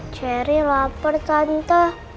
ceri lapar tante